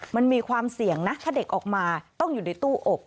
มันมีความเสี่ยงนะถ้าเด็กออกมาต้องอยู่ในตู้อบ